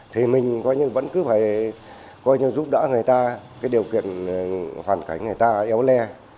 thì mình vẫn cứ phải giúp đỡ người ta điều kiện hoàn cảnh người ta yếu le